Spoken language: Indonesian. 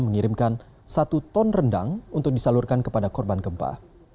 mengirimkan satu ton rendang untuk disalurkan kepada korban gempa